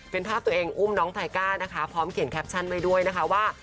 เป็นภาพตัวเองอุ้มน้องไทก้านะคะพร้อมเขียนแคปชั่นไว้ด้วยนะคะว่า